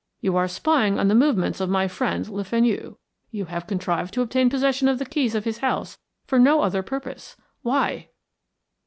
"You are spying on the movements of my friend, Le Fenu. You have contrived to obtain possession of the keys of his house for no other purpose. Why?"